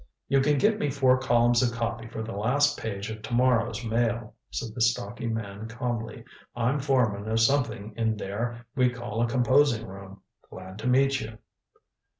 "You can give me four columns of copy for the last page of to morrow's Mail," said the stocky man calmly. "I'm foreman of something in there we call a composing room. Glad to meet you."